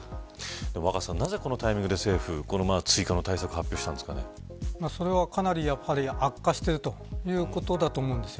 若狭さん、なぜこのタイミングで追加の対策をそれはかなり悪化しているということだと思うんです。